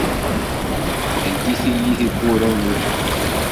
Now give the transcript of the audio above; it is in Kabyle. Ldit-iyi tiwwura n lḥeqq.